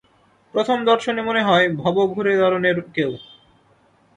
প্রথম দর্শনে মনে হয় ভবঘুরে ধরনের কেউ।